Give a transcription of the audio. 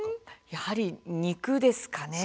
やはり肉ですかね。